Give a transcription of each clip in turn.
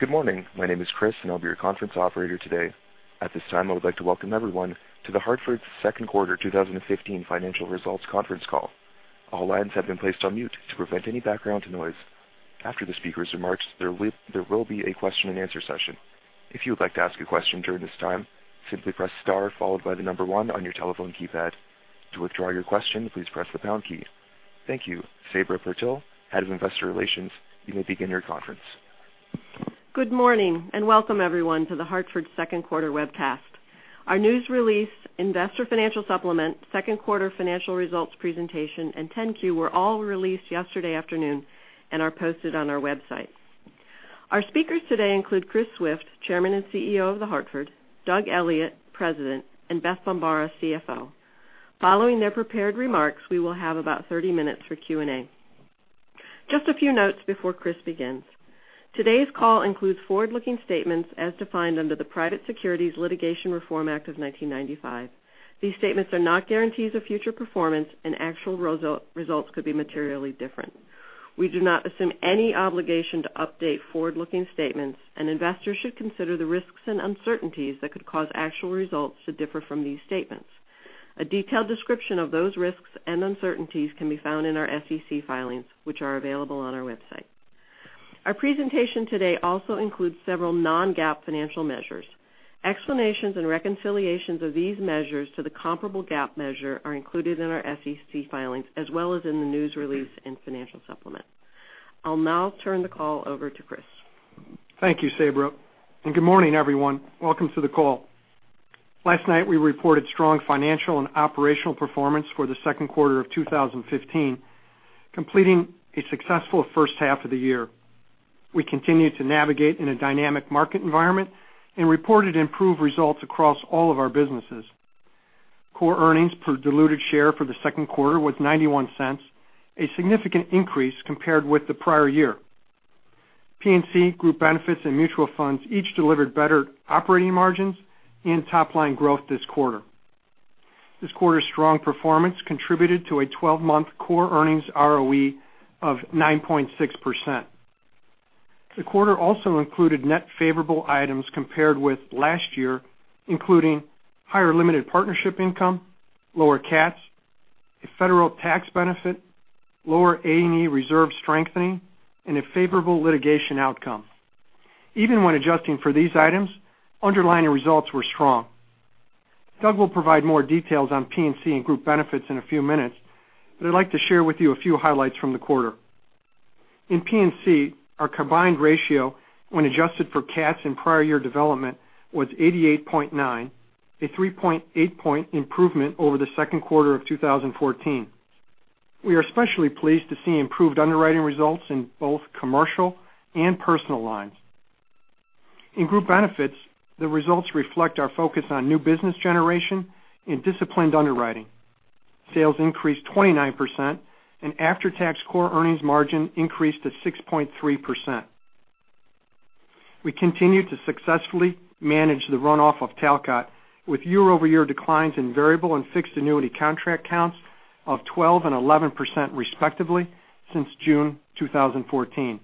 Good morning. My name is Chris, and I will be your conference operator today. At this time, I would like to welcome everyone to The Hartford's second quarter 2015 financial results conference call. All lines have been placed on mute to prevent any background noise. After the speaker's remarks, there will be a question and answer session. If you would like to ask a question during this time, simply press star followed by 1 on your telephone keypad. To withdraw your question, please press the pound key. Thank you. Sabra Purtill, Head of Investor Relations, you may begin your conference. Good morning and welcome everyone to The Hartford's second quarter webcast. Our news release investor financial supplement, second quarter financial results presentation, and 10-Q were all released yesterday afternoon and are posted on our website. Our speakers today include Chris Swift, Chairman and CEO of The Hartford, Doug Elliot, President, and Beth Bombara, CFO. Following their prepared remarks, we will have about 30 minutes for Q&A. Just a few notes before Chris begins. Today's call includes forward-looking statements as defined under the Private Securities Litigation Reform Act of 1995. These statements are not guarantees of future performance, and actual results could be materially different. We do not assume any obligation to update forward-looking statements, and investors should consider the risks and uncertainties that could cause actual results to differ from these statements. A detailed description of those risks and uncertainties can be found in our SEC filings, which are available on our website. Our presentation today also includes several non-GAAP financial measures. Explanations and reconciliations of these measures to the comparable GAAP measure are included in our SEC filings, as well as in the news release and financial supplement. I will now turn the call over to Chris. Thank you, Sabra, and good morning, everyone. Welcome to the call. Last night, we reported strong financial and operational performance for the second quarter of 2015, completing a successful first half of the year. We continued to navigate in a dynamic market environment and reported improved results across all of our businesses. Core earnings per diluted share for the second quarter was $0.91, a significant increase compared with the prior year. P&C, Group Benefits, and Mutual Funds each delivered better operating margins and top-line growth this quarter. This quarter's strong performance contributed to a 12-month core earnings ROE of 9.6%. The quarter also included net favorable items compared with last year, including higher limited partnership income, lower CATs, a federal tax benefit, lower A&E reserve strengthening, and a favorable litigation outcome. Even when adjusting for these items, underlying results were strong. Doug will provide more details on P&C and Group Benefits in a few minutes, but I'd like to share with you a few highlights from the quarter. In P&C, our combined ratio when adjusted for CATs and prior year development was 88.9, a 3.8-point improvement over the second quarter of 2014. We are especially pleased to see improved underwriting results in both Commercial Lines and Personal Lines. In Group Benefits, the results reflect our focus on new business generation and disciplined underwriting. Sales increased 29%, and after-tax core earnings margin increased to 6.3%. We continued to successfully manage the runoff of Talcott with year-over-year declines in variable and fixed annuity contract counts of 12% and 11%, respectively, since June 2014.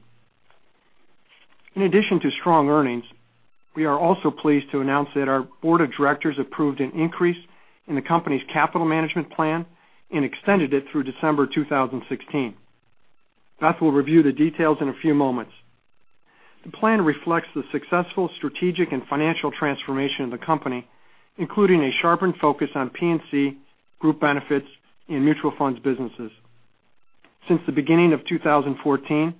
In addition to strong earnings, we are also pleased to announce that our board of directors approved an increase in the company's capital management plan and extended it through December 2016. Beth will review the details in a few moments. The plan reflects the successful strategic and financial transformation of the company, including a sharpened focus on P&C, Group Benefits, and Mutual Funds businesses. Since the beginning of 2014,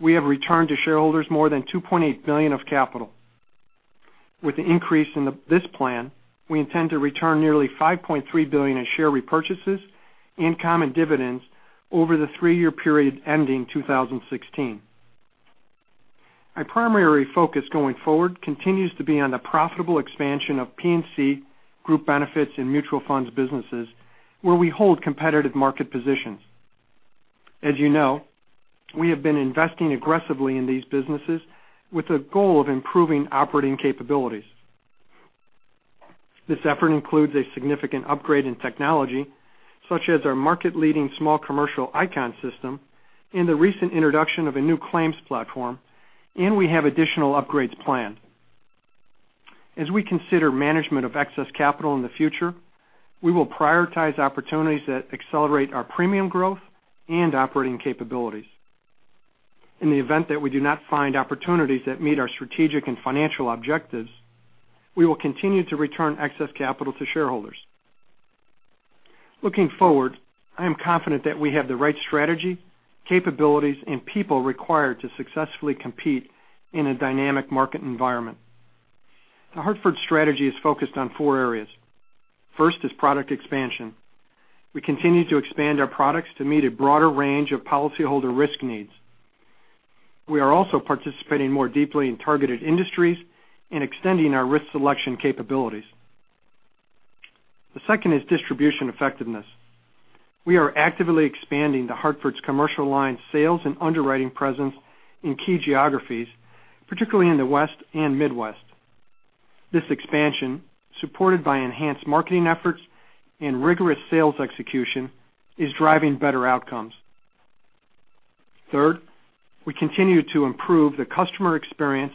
we have returned to shareholders more than $2.8 billion of capital. With the increase in this plan, we intend to return nearly $5.3 billion in share repurchases and common dividends over the three-year period ending 2016. Our primary focus going forward continues to be on the profitable expansion of P&C, Group Benefits, and Mutual Funds businesses where we hold competitive market positions. As you know, we have been investing aggressively in these businesses with the goal of improving operating capabilities. This effort includes a significant upgrade in technology, such as our market-leading Small Commercial ICON system and the recent introduction of a new claims platform, and we have additional upgrades planned. As we consider management of excess capital in the future, we will prioritize opportunities that accelerate our premium growth and operating capabilities. In the event that we do not find opportunities that meet our strategic and financial objectives, we will continue to return excess capital to shareholders. Looking forward, I am confident that we have the right strategy, capabilities, and people required to successfully compete in a dynamic market environment. The Hartford strategy is focused on four areas. First is product expansion. We continue to expand our products to meet a broader range of policyholder risk needs. We are also participating more deeply in targeted industries and extending our risk selection capabilities. The second is distribution effectiveness. We are actively expanding The Hartford's Commercial Lines sales and underwriting presence in key geographies, particularly in the West and Midwest. This expansion, supported by enhanced marketing efforts and rigorous sales execution, is driving better outcomes. Third, we continue to improve the customer experience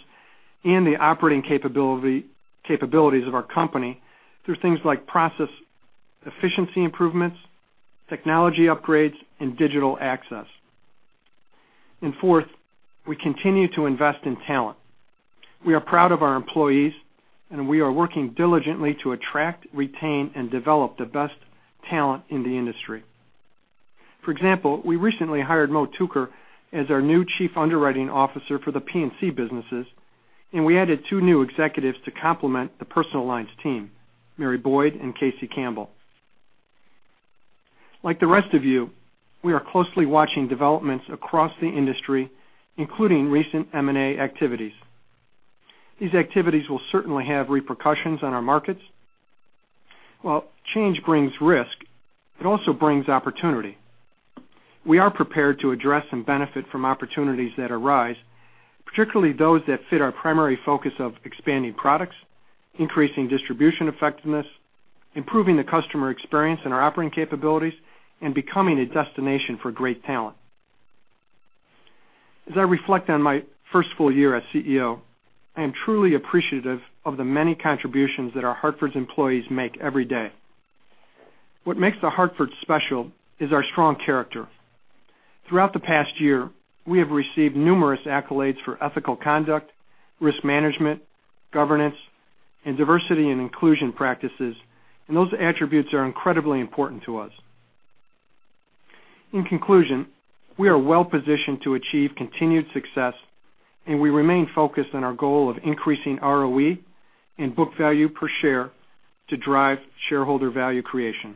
and the operating capabilities of our company through things like process efficiency improvements, technology upgrades, and digital access. Fourth, we continue to invest in talent. We are proud of our employees, and we are working diligently to attract, retain, and develop the best talent in the industry. For example, we recently hired Mo Tooker as our new Chief Underwriting Officer for the P&C businesses, and we added two new executives to complement the Personal Lines team, Mary Boyd and Casey Campbell. Like the rest of you, we are closely watching developments across the industry, including recent M&A activities. These activities will certainly have repercussions on our markets. While change brings risk, it also brings opportunity. We are prepared to address and benefit from opportunities that arise, particularly those that fit our primary focus of expanding products, increasing distribution effectiveness, improving the customer experience and our operating capabilities, and becoming a destination for great talent. As I reflect on my first full year as CEO, I am truly appreciative of the many contributions that our Hartford employees make every day. What makes The Hartford special is our strong character. Throughout the past year, we have received numerous accolades for ethical conduct, risk management, governance, and diversity and inclusion practices, and those attributes are incredibly important to us. In conclusion, we are well-positioned to achieve continued success, and we remain focused on our goal of increasing ROE and book value per share to drive shareholder value creation.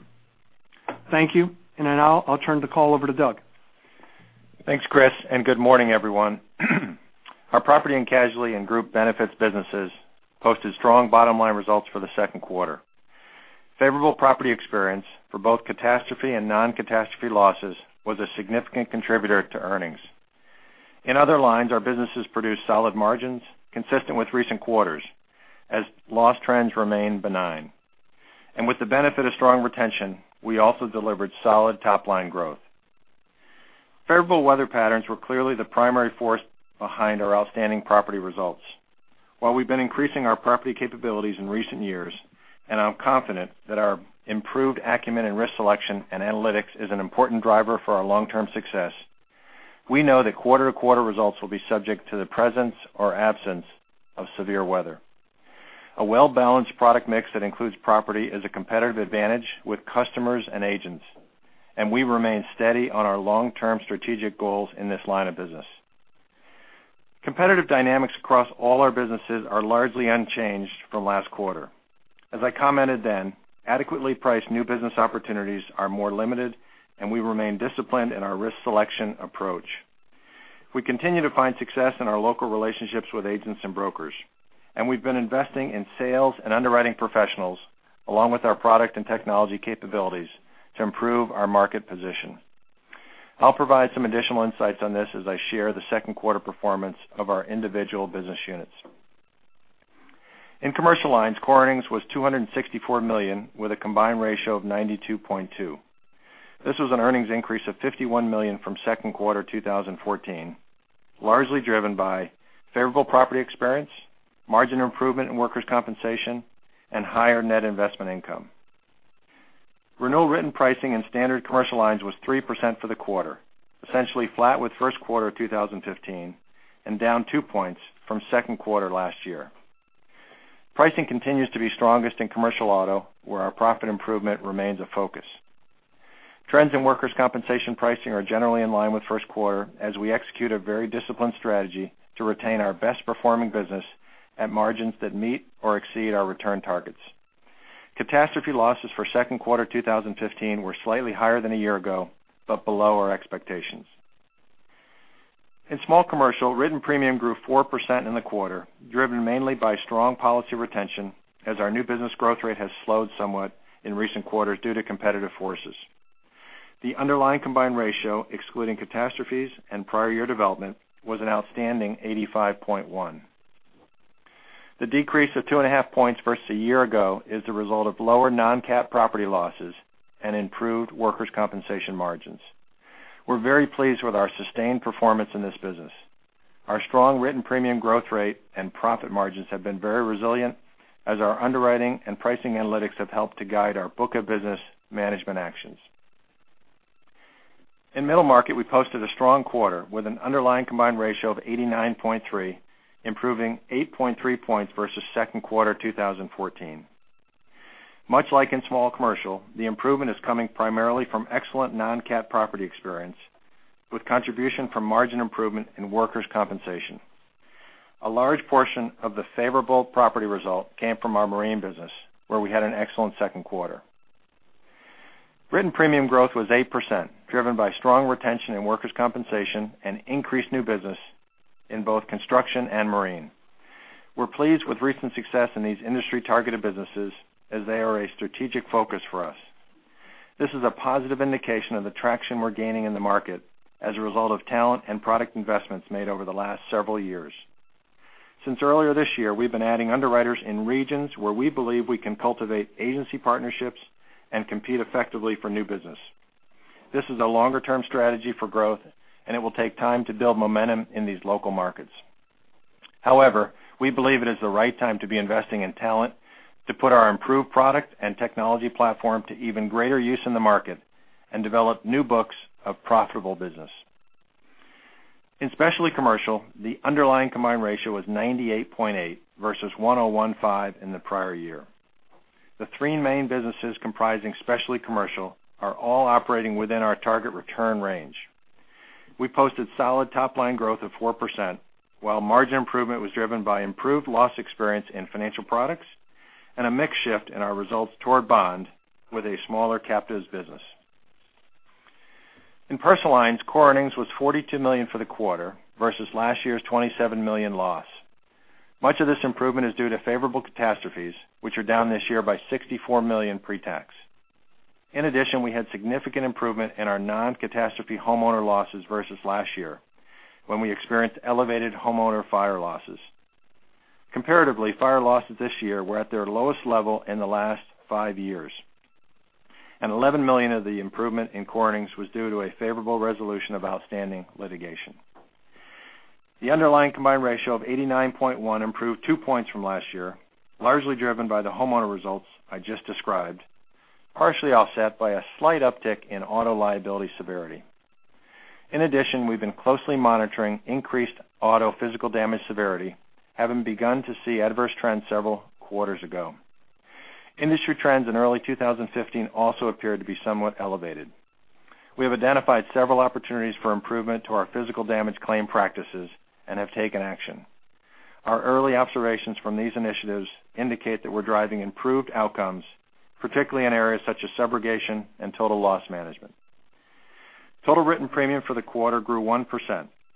Thank you. Now, I'll turn the call over to Doug. Thanks, Chris, and good morning, everyone. Our Property and Casualty and Group Benefits businesses posted strong bottom-line results for the second quarter. Favorable property experience for both catastrophe and non-catastrophe losses was a significant contributor to earnings. In other lines, our businesses produced solid margins consistent with recent quarters as loss trends remain benign. With the benefit of strong retention, we also delivered solid top-line growth. Favorable weather patterns were clearly the primary force behind our outstanding property results. While we've been increasing our property capabilities in recent years, and I'm confident that our improved acumen and risk selection and analytics is an important driver for our long-term success, we know that quarter-to-quarter results will be subject to the presence or absence of severe weather. A well-balanced product mix that includes property is a competitive advantage with customers and agents, and we remain steady on our long-term strategic goals in this line of business. Competitive dynamics across all our businesses are largely unchanged from last quarter. As I commented then, adequately priced new business opportunities are more limited, and we remain disciplined in our risk selection approach. We continue to find success in our local relationships with agents and brokers, and we've been investing in sales and underwriting professionals, along with our product and technology capabilities to improve our market position. I'll provide some additional insights on this as I share the second quarter performance of our individual business units. In Commercial Lines, core earnings was $264 million with a combined ratio of 92.2. This was an earnings increase of $51 million from second quarter 2014, largely driven by favorable property experience, margin improvement in workers' compensation, and higher net investment income. Renewal written pricing in Standard Commercial Lines was 3% for the quarter, essentially flat with first quarter 2015, and down two points from second quarter last year. Pricing continues to be strongest in Commercial auto, where our profit improvement remains a focus. Trends in workers' compensation pricing are generally in line with first quarter as we execute a very disciplined strategy to retain our best performing business at margins that meet or exceed our return targets. Catastrophe losses for second quarter 2015 were slightly higher than a year ago, but below our expectations. In Small Commercial, written premium grew 4% in the quarter, driven mainly by strong policy retention as our new business growth rate has slowed somewhat in recent quarters due to competitive forces. The underlying combined ratio, excluding catastrophes and prior year development, was an outstanding 85.1. The decrease of two and a half points versus a year ago is the result of lower non-cap property losses and improved workers' compensation margins. We're very pleased with our sustained performance in this business. Our strong written premium growth rate and profit margins have been very resilient as our underwriting and pricing analytics have helped to guide our book of business management actions. In Middle Market, we posted a strong quarter with an underlying combined ratio of 89.3, improving 8.3 points versus second quarter 2014. Much like in Small Commercial, the improvement is coming primarily from excellent non-cap property experience, with contribution from margin improvement in workers' compensation. A large portion of the favorable property result came from our marine business, where we had an excellent second quarter. Written premium growth was 8%, driven by strong retention in workers' compensation and increased new business in both construction and marine. We're pleased with recent success in these industry-targeted businesses as they are a strategic focus for us. This is a positive indication of the traction we're gaining in the market as a result of talent and product investments made over the last several years. Since earlier this year, we've been adding underwriters in regions where we believe we can cultivate agency partnerships and compete effectively for new business. This is a longer-term strategy for growth, it will take time to build momentum in these local markets. However, we believe it is the right time to be investing in talent, to put our improved product and technology platform to even greater use in the market, and develop new books of profitable business. In Specialty Commercial, the underlying combined ratio was 98.8 versus 101.5 in the prior year. The three main businesses comprising Specialty Commercial are all operating within our target return range. We posted solid top-line growth of 4%, while margin improvement was driven by improved loss experience in financial products and a mix shift in our results toward bond with a smaller captives business. In Personal Lines, core earnings was $42 million for the quarter versus last year's $27 million loss. Much of this improvement is due to favorable catastrophes, which are down this year by $64 million pre-tax. In addition, we had significant improvement in our non-catastrophe homeowner losses versus last year, when we experienced elevated homeowner fire losses. Comparatively, fire losses this year were at their lowest level in the last five years. $11 million of the improvement in core earnings was due to a favorable resolution of outstanding litigation. The underlying combined ratio of 89.1 improved two points from last year, largely driven by the homeowner results I just described, partially offset by a slight uptick in auto liability severity. In addition, we've been closely monitoring increased auto physical damage severity, having begun to see adverse trends several quarters ago. Industry trends in early 2015 also appeared to be somewhat elevated. We have identified several opportunities for improvement to our physical damage claim practices and have taken action. Our early observations from these initiatives indicate that we're driving improved outcomes, particularly in areas such as subrogation and total loss management. Total written premium for the quarter grew 1%,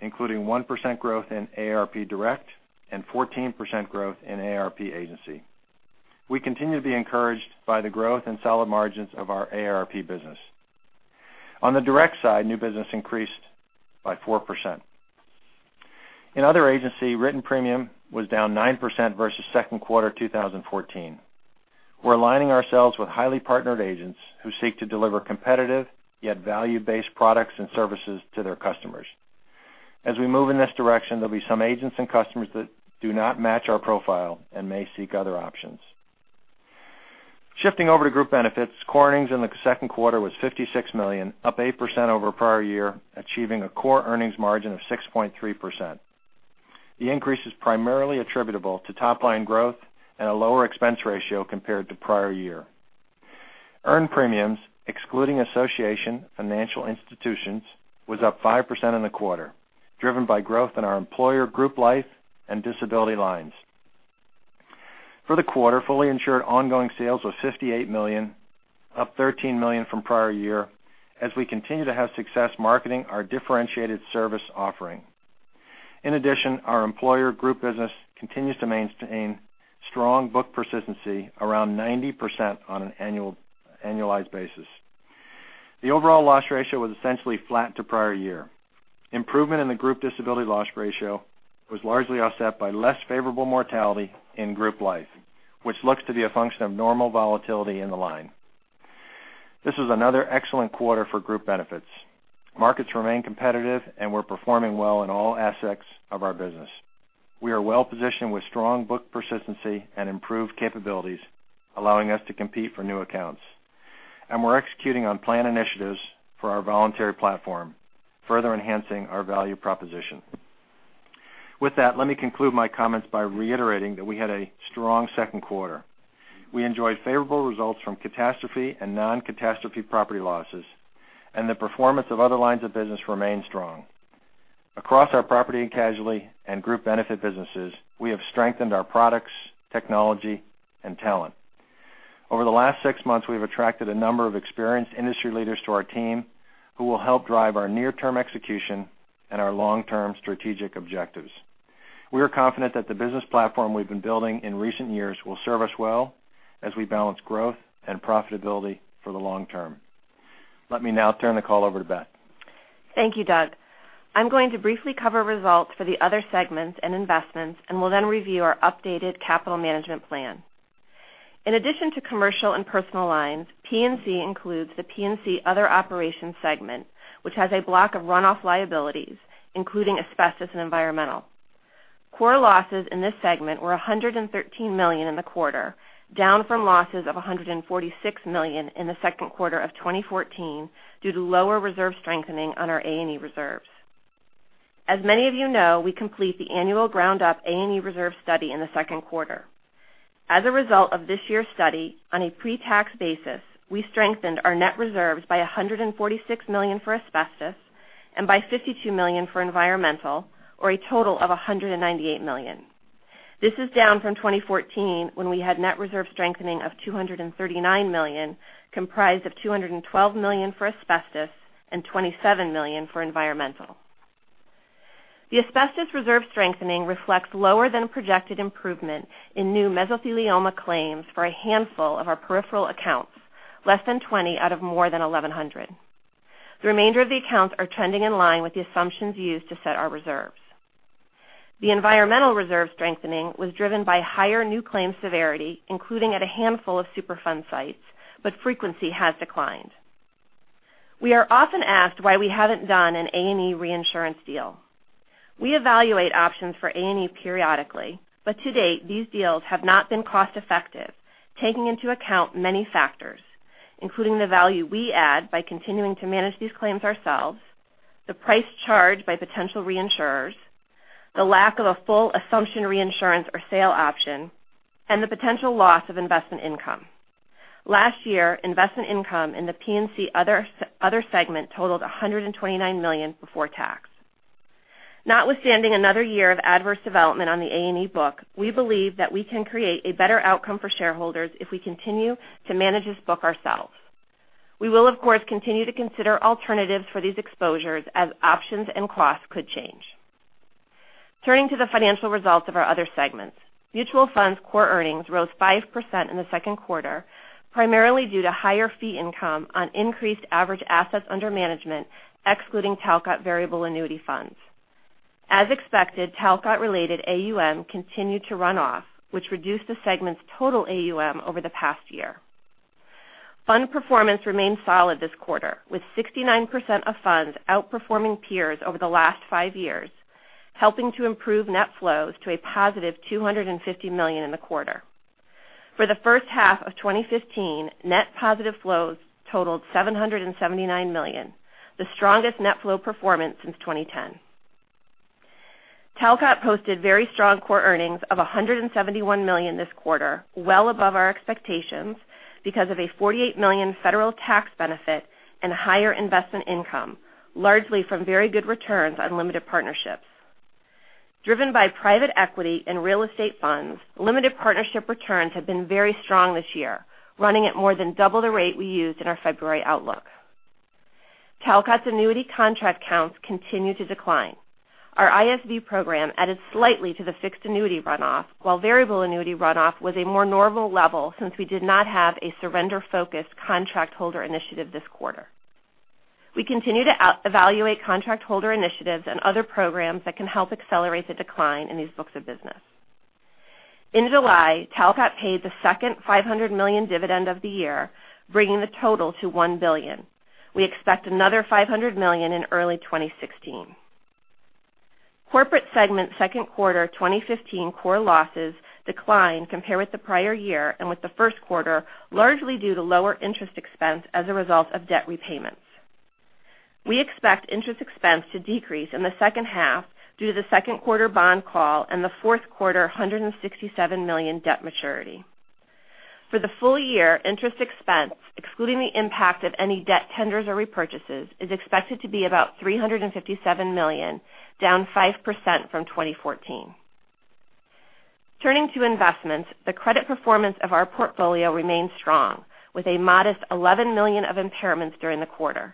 including 1% growth in AARP Direct and 14% growth in AARP Agency. We continue to be encouraged by the growth in solid margins of our AARP business. On the direct side, new business increased by 4%. In other agency, written premium was down 9% versus second quarter 2014. We're aligning ourselves with highly partnered agents who seek to deliver competitive, yet value-based products and services to their customers. As we move in this direction, there'll be some agents and customers that do not match our profile and may seek other options. Shifting over to Group Benefits, core earnings in the second quarter was $56 million, up 8% over prior year, achieving a core earnings margin of 6.3%. The increase is primarily attributable to top-line growth and a lower expense ratio compared to prior year. Earned premiums, excluding association financial institutions, was up 5% in the quarter, driven by growth in our employer group life and disability lines. For the quarter, fully insured ongoing sales was $58 million, up $13 million from prior year, as we continue to have success marketing our differentiated service offering. In addition, our employer group business continues to maintain strong book persistency around 90% on an annualized basis. The overall loss ratio was essentially flat to prior year. Improvement in the group disability loss ratio was largely offset by less favorable mortality in group life, which looks to be a function of normal volatility in the line. This was another excellent quarter for Group Benefits. Markets remain competitive, and we're performing well in all aspects of our business. We are well-positioned with strong book persistency and improved capabilities, allowing us to compete for new accounts. We're executing on plan initiatives for our voluntary platform, further enhancing our value proposition. With that, let me conclude my comments by reiterating that we had a strong second quarter. We enjoyed favorable results from catastrophe and non-catastrophe property losses, the performance of other lines of business remained strong. Across our Property and Casualty and Group Benefits businesses, we have strengthened our products, technology, and talent. Over the last six months, we've attracted a number of experienced industry leaders to our team who will help drive our near-term execution and our long-term strategic objectives. We are confident that the business platform we've been building in recent years will serve us well as we balance growth and profitability for the long term. Let me now turn the call over to Beth. Thank you, Doug. I'm going to briefly cover results for the other segments and investments and will then review our updated capital management plan. In addition to Commercial Lines and Personal Lines, P&C includes the P&C Other Operations segment, which has a block of runoff liabilities, including asbestos and environmental. Core losses in this segment were $113 million in the quarter, down from losses of $146 million in the second quarter of 2014 due to lower reserve strengthening on our A&E reserves. As many of you know, we complete the annual ground-up A&E reserve study in the second quarter. As a result of this year's study, on a pre-tax basis, we strengthened our net reserves by $146 million for asbestos and by $52 million for environmental, or a total of $198 million. This is down from 2014, when we had net reserve strengthening of $239 million, comprised of $212 million for asbestos and $27 million for environmental. The asbestos reserve strengthening reflects lower than projected improvement in new mesothelioma claims for a handful of our peripheral accounts, less than 20 out of more than 1,100. The remainder of the accounts are trending in line with the assumptions used to set our reserves. The environmental reserve strengthening was driven by higher new claim severity, including at a handful of Superfund sites, but frequency has declined. We are often asked why we haven't done an A&E reinsurance deal. We evaluate options for A&E periodically, to date, these deals have not been cost-effective, taking into account many factors, including the value we add by continuing to manage these claims ourselves, the price charged by potential reinsurers, the lack of a full assumption reinsurance or sale option, and the potential loss of investment income. Last year, investment income in the P&C other segment totaled $129 million before tax. Notwithstanding another year of adverse development on the A&E book, we believe that we can create a better outcome for shareholders if we continue to manage this book ourselves. We will, of course, continue to consider alternatives for these exposures as options and costs could change. Turning to the financial results of our other segments. Mutual Funds core earnings rose 5% in the second quarter, primarily due to higher fee income on increased average assets under management, excluding Talcott variable annuity funds. As expected, Talcott-related AUM continued to run off, which reduced the segment's total AUM over the past year. Fund performance remained solid this quarter, with 69% of funds outperforming peers over the last five years, helping to improve net flows to a positive $250 million in the quarter. For the first half of 2015, net positive flows totaled $779 million, the strongest net flow performance since 2010. Talcott posted very strong core earnings of $171 million this quarter, well above our expectations because of a $48 million federal tax benefit and higher investment income, largely from very good returns on limited partnerships. Driven by private equity and real estate funds, limited partnership returns have been very strong this year, running at more than double the rate we used in our February outlook. Talcott's annuity contract counts continue to decline. Our ISV program added slightly to the fixed annuity runoff, while variable annuity runoff was a more normal level since we did not have a surrender-focused contract holder initiative this quarter. We continue to evaluate contract holder initiatives and other programs that can help accelerate the decline in these books of business. In July, Talcott paid the second $500 million dividend of the year, bringing the total to $1 billion. We expect another $500 million in early 2016. Corporate segment second quarter 2015 core losses declined compared with the prior year and with the first quarter, largely due to lower interest expense as a result of debt repayments. We expect interest expense to decrease in the second half due to the second quarter bond call and the fourth quarter $167 million debt maturity. For the full year, interest expense, excluding the impact of any debt tenders or repurchases, is expected to be about $357 million, down 5% from 2014. Turning to investments, the credit performance of our portfolio remains strong, with a modest $11 million of impairments during the quarter.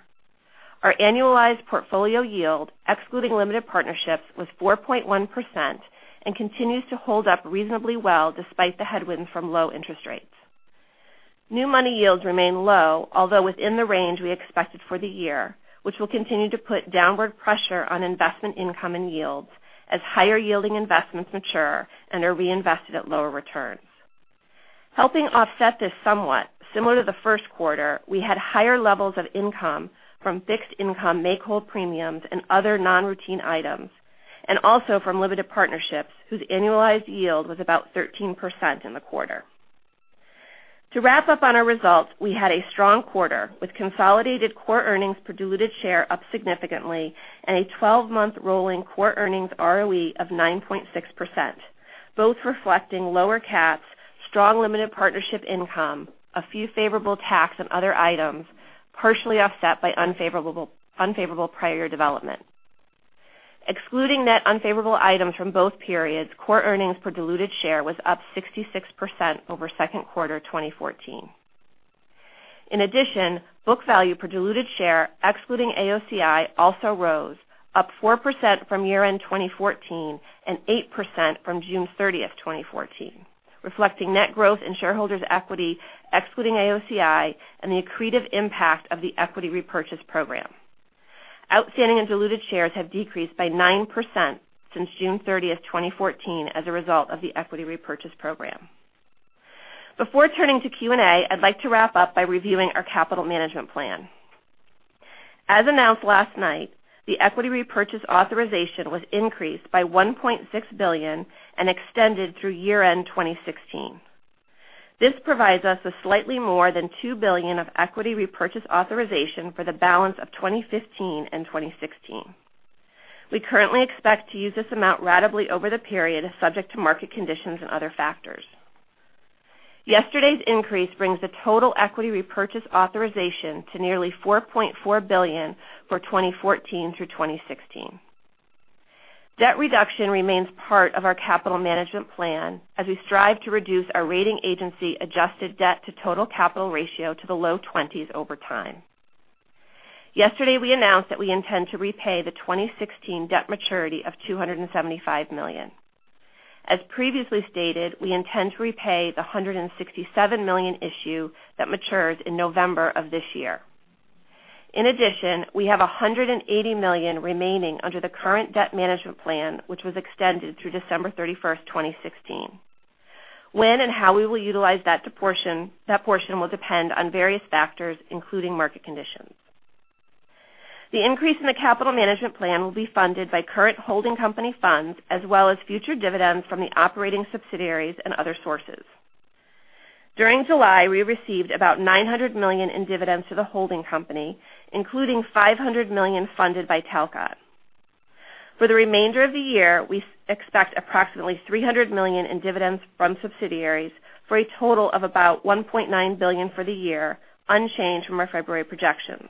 Our annualized portfolio yield, excluding limited partnerships, was 4.1% and continues to hold up reasonably well despite the headwind from low interest rates. New money yields remain low, although within the range we expected for the year, which will continue to put downward pressure on investment income and yields as higher-yielding investments mature and are reinvested at lower returns. Helping offset this somewhat, similar to the first quarter, we had higher levels of income from fixed income make-whole premiums and other non-routine items, and also from limited partnerships whose annualized yield was about 13% in the quarter. To wrap up on our results, we had a strong quarter with consolidated core earnings per diluted share up significantly and a 12-month rolling core earnings ROE of 9.6%, both reflecting lower CATs, strong limited partnership income, a few favorable tax and other items, partially offset by unfavorable prior development. Excluding net unfavorable items from both periods, core earnings per diluted share was up 66% over second quarter 2014. In addition, book value per diluted share, excluding AOCI, also rose, up 4% from year-end 2014 and 8% from June 30th, 2014, reflecting net growth in shareholders' equity, excluding AOCI, and the accretive impact of the equity repurchase program. Outstanding and diluted shares have decreased by 9% since June 30th, 2014, as a result of the equity repurchase program. Before turning to Q&A, I'd like to wrap up by reviewing our capital management plan. As announced last night, the equity repurchase authorization was increased by $1.6 billion and extended through year-end 2016. This provides us with slightly more than $2 billion of equity repurchase authorization for the balance of 2015 and 2016. We currently expect to use this amount ratably over the period subject to market conditions and other factors. Yesterday's increase brings the total equity repurchase authorization to nearly $4.4 billion for 2014 through 2016. Debt reduction remains part of our capital management plan as we strive to reduce our rating agency adjusted debt to total capital ratio to the low twenties over time. Yesterday, we announced that we intend to repay the 2016 debt maturity of $275 million. As previously stated, we intend to repay the $167 million issue that matures in November of this year. In addition, we have $180 million remaining under the current debt management plan, which was extended through December 31st, 2016. When and how we will utilize that portion will depend on various factors, including market conditions. The increase in the capital management plan will be funded by current holding company funds as well as future dividends from the operating subsidiaries and other sources. During July, we received about $900 million in dividends to the holding company, including $500 million funded by Talcott. For the remainder of the year, we expect approximately $300 million in dividends from subsidiaries for a total of about $1.9 billion for the year, unchanged from our February projections.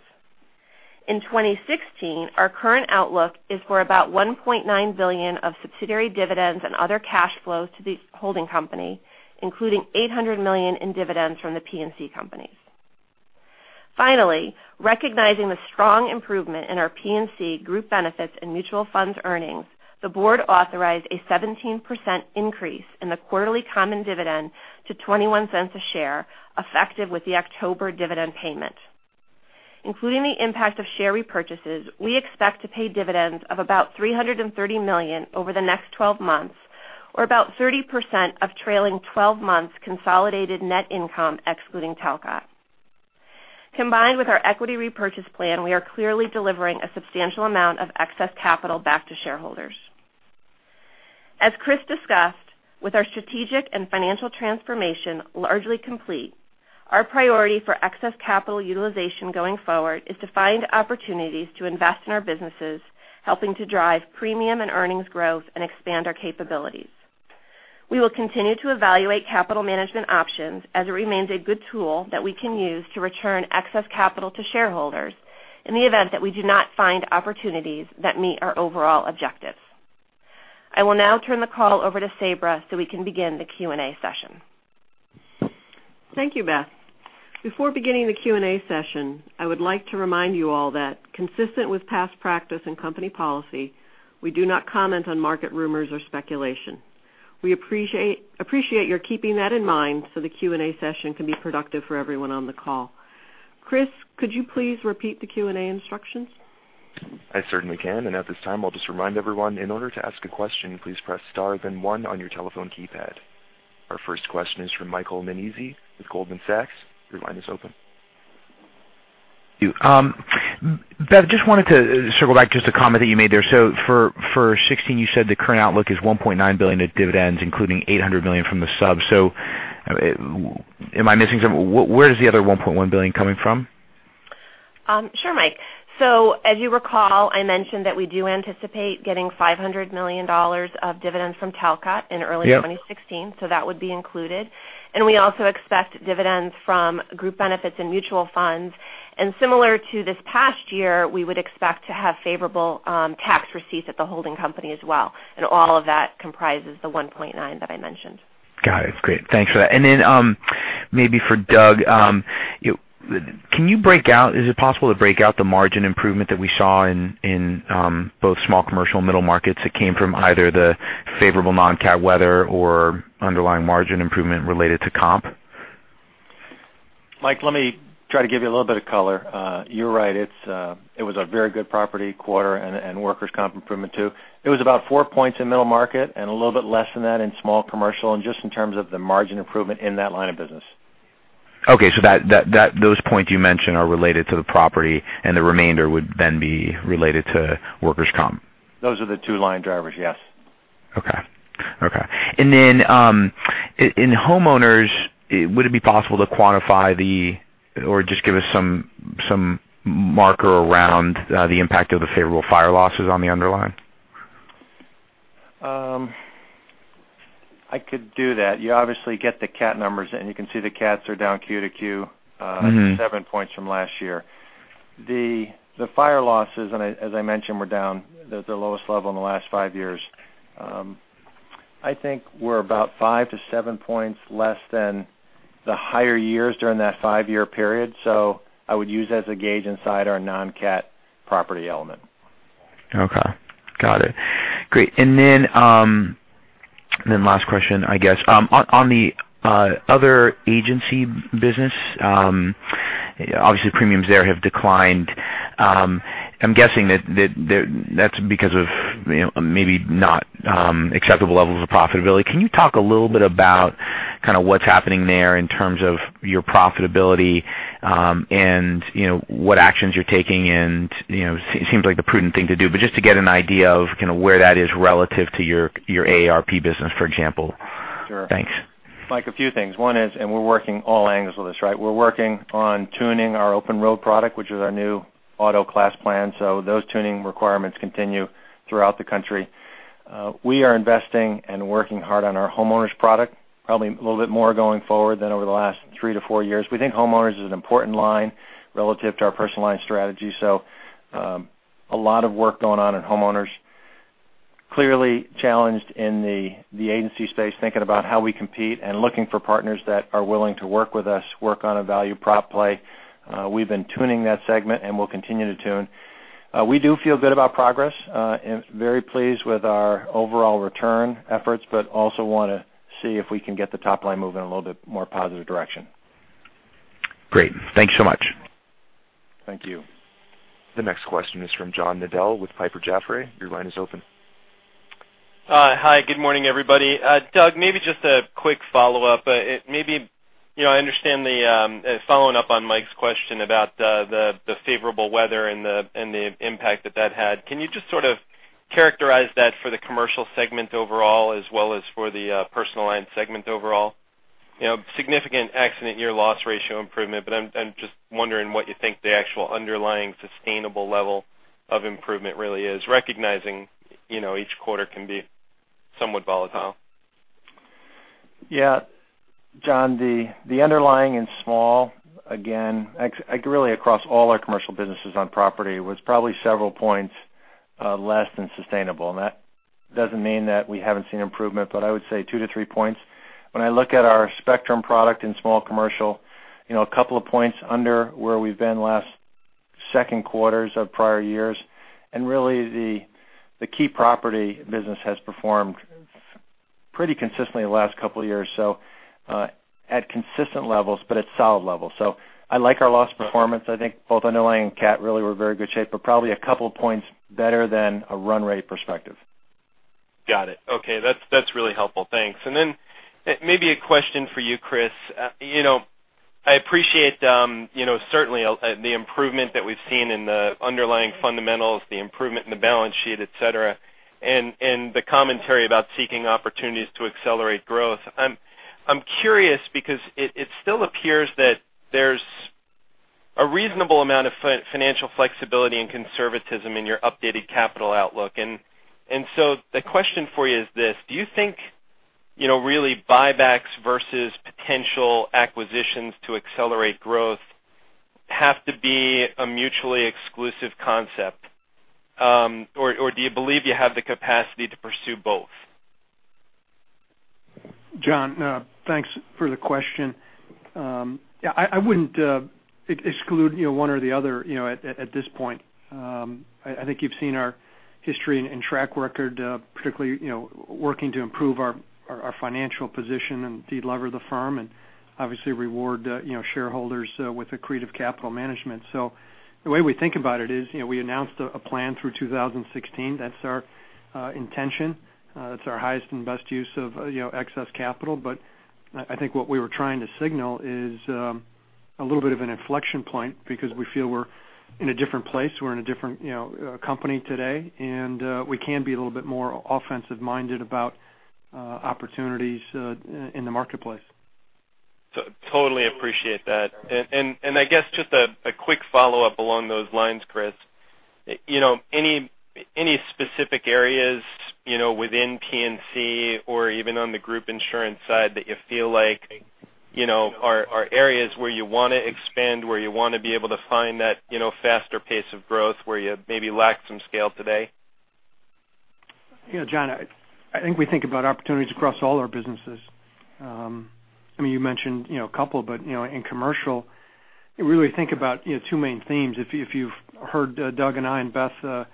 In 2016, our current outlook is for about $1.9 billion of subsidiary dividends and other cash flows to the holding company, including $800 million in dividends from the P&C companies. Recognizing the strong improvement in our P&C Group Benefits and Mutual Funds earnings, the board authorized a 17% increase in the quarterly common dividend to $0.21 a share, effective with the October dividend payment. Including the impact of share repurchases, we expect to pay dividends of about $330 million over the next 12 months or about 30% of trailing 12 months consolidated net income excluding Talcott. Combined with our equity repurchase plan, we are clearly delivering a substantial amount of excess capital back to shareholders. As Chris discussed, with our strategic and financial transformation largely complete, our priority for excess capital utilization going forward is to find opportunities to invest in our businesses, helping to drive premium and earnings growth and expand our capabilities. We will continue to evaluate capital management options as it remains a good tool that we can use to return excess capital to shareholders in the event that we do not find opportunities that meet our overall objectives. I will now turn the call over to Sabra so we can begin the Q&A session. Thank you, Beth. Before beginning the Q&A session, I would like to remind you all that consistent with past practice and company policy, we do not comment on market rumors or speculation. We appreciate your keeping that in mind so the Q&A session can be productive for everyone on the call. Chris, could you please repeat the Q&A instructions? I certainly can. At this time, I'll just remind everyone, in order to ask a question, please press star then one on your telephone keypad. Our first question is from Michael Nannizzi with Goldman Sachs. Your line is open. Thank you. Beth, just wanted to circle back, just a comment that you made there. For 2016, you said the current outlook is $1.9 billion in dividends, including $800 million from the sub. Am I missing something? Where is the other $1.1 billion coming from? Sure, Mike. As you recall, I mentioned that we do anticipate getting $500 million of dividends from Talcott in early 2016. Yep. That would be included. We also expect dividends from Group Benefits and Mutual Funds. Similar to this past year, we would expect to have favorable tax receipts at the holding company as well, and all of that comprises the $1.9 that I mentioned. Got it. Great. Thanks for that. Then maybe for Doug, is it possible to break out the margin improvement that we saw in both Small Commercial and Middle Market that came from either the favorable non-CAT weather or underlying margin improvement related to comp? Mike, let me try to give you a little bit of color. You're right. It was a very good property quarter and workers' comp improvement too. It was about four points in Middle Market and a little bit less than that in Small Commercial. Just in terms of the margin improvement in that line of business. Okay. Those points you mentioned are related to the property and the remainder would then be related to workers' comp. Those are the two line drivers. Yes. Okay. In homeowners, would it be possible to quantify or just give us some marker around the impact of the favorable fire losses on the underlying? I could do that. You obviously get the cat numbers and you can see the cats are down Q to Q- seven points from last year. The fire losses, as I mentioned, were down at the lowest level in the last five years. I think we're about five to seven points less than the higher years during that five-year period. I would use as a gauge inside our non-CAT property element. Okay. Got it. Great. Last question, I guess. On the other agency business, obviously premiums there have declined. I'm guessing that's because of maybe not acceptable levels of profitability. Can you talk a little bit about what's happening there in terms of your profitability, and what actions you're taking, and it seems like the prudent thing to do, but just to get an idea of where that is relative to your AARP business, for example. Sure. Thanks. Mike, a few things. One is, we're working all angles with this. We're working on tuning our Open Road product, which is our new auto class plan. Those tuning requirements continue throughout the country. We are investing and working hard on our homeowners product, probably a little bit more going forward than over the last three to four years. We think homeowners is an important line relative to our Personal Lines strategy. A lot of work going on in homeowners. Clearly challenged in the agency space, thinking about how we compete and looking for partners that are willing to work with us, work on a value prop play. We've been tuning that segment and we'll continue to tune. We do feel good about progress, very pleased with our overall return efforts, also want to see if we can get the top line moving a little bit more positive direction. Great. Thanks so much. Thank you. The next question is from John Nadel with Piper Jaffray. Your line is open. Hi. Good morning, everybody. Doug, maybe just a quick follow-up. I understand the following up on Mike's question about the favorable weather and the impact that that had. Can you just sort of characterize that for the Commercial Lines segment overall as well as for the Personal Lines segment overall? Significant accident year loss ratio improvement, but I'm just wondering what you think the actual underlying sustainable level of improvement really is, recognizing each quarter can be somewhat volatile. Yeah. John, the underlying and small, again, really across all our Commercial businesses on property, was probably several points less than sustainable. That doesn't mean that we haven't seen improvement, but I would say two to three points. When I look at our Spectrum product in Small Commercial, a couple of points under where we've been last second quarters of prior years. Really, the key property business has performed pretty consistently the last couple of years, so at consistent levels, but at solid levels. I like our loss performance. I think both Underlying and CAT really were in very good shape, but probably a couple points better than a run rate perspective. Got it. Okay. That's really helpful. Thanks. Maybe a question for you, Chris. I appreciate certainly the improvement that we've seen in the underlying fundamentals, the improvement in the balance sheet, et cetera, and the commentary about seeking opportunities to accelerate growth. I'm curious because it still appears that there's a reasonable amount of financial flexibility and conservatism in your updated capital outlook. The question for you is this, do you think really buybacks versus potential acquisitions to accelerate growth have to be a mutually exclusive concept? Or do you believe you have the capacity to pursue both? John, thanks for the question. I wouldn't exclude one or the other at this point. I think you've seen our history and track record, particularly working to improve our financial position and de-lever the firm, and obviously reward shareholders with accretive capital management. The way we think about it is, we announced a plan through 2016. That's our intention. That's our highest and best use of excess capital. I think what we were trying to signal is a little bit of an inflection point because we feel we're in a different place. We're in a different company today, and we can be a little bit more offensive-minded about opportunities in the marketplace. Totally appreciate that. I guess just a quick follow-up along those lines, Chris. Any specific areas within P&C or even on the group insurance side that you feel like are areas where you want to expand, where you want to be able to find that faster pace of growth where you maybe lack some scale today? Yeah, John, I think we think about opportunities across all our businesses. You mentioned a couple, but in Commercial, you really think about two main themes. If you've heard Doug and I and Beth